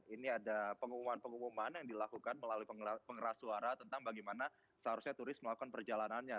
ini ada pengumuman pengumuman yang dilakukan melalui pengeras suara tentang bagaimana seharusnya turis melakukan perjalanannya